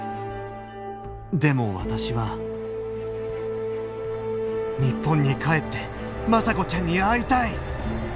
でも私は日本に帰って眞佐子ちゃんに会いたい！